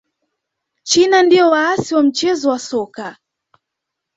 china ndio waasisi wa mchezo wa soka